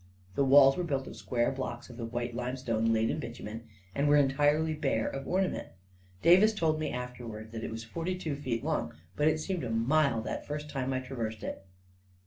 The walls were built of square blocks of the white limestone, laid in bitumen, and were entirely bare of ornament, Davis told me after 208 A KING IN BABYLON wards that it was forty two feet long, but it seemed a mile that first time I traversed it.